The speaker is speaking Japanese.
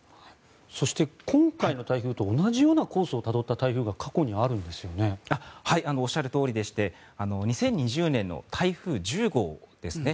そして今回の台風と同じようなコースをたどった台風がおっしゃるとおりでして２０２０年の台風１０号ですね。